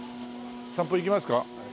散歩行きますか？